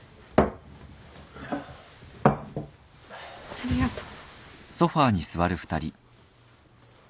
ありがとう。